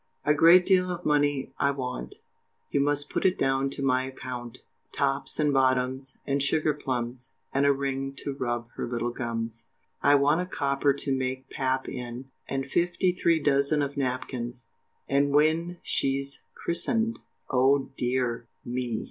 A great deal of money I want, You must put it down to my account, Tops and bottoms, and sugar plums, And a ring to rub her little gums. I want a copper to make pap in, And fifty three dozen of napkins, And when she's christened, oh, dear me!